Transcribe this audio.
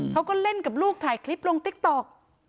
เขาก็เล่นกับลูกถ่ายคลิปลงติ๊กต๊อก